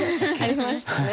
ありましたね。